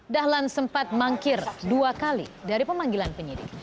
dahlan sempat mangkir dua kali dari pemanggilan penyidik